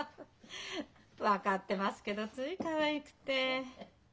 分かってますけどついかわいくて。